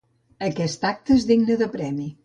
Aquest acte és digne de premi.